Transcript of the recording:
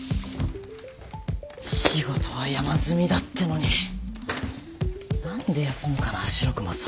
仕事は山積みだってのに何で休むかな白熊さん。